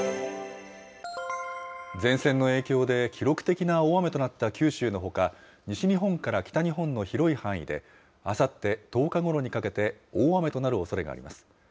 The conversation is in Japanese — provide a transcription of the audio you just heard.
前線の影響で記録的な大雨となった九州のほか、西日本から北日本の広い範囲で、あさって１０日ごろにかけて大雨となるおそれがあります。